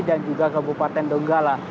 dan juga kabupaten donggala